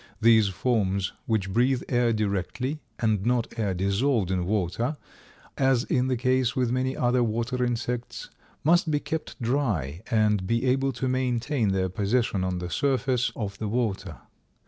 These forms which breathe air directly, and not air dissolved in water, as is the case with many other water insects, must be kept dry and be able to maintain their position on the surface of the water.